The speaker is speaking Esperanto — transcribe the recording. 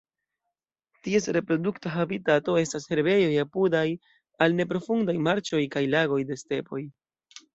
Ties reprodukta habitato estas herbejoj apudaj al neprofundaj marĉoj kaj lagoj de stepoj.